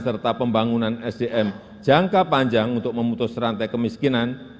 serta pembangunan sdm jangka panjang untuk memutus rantai kemiskinan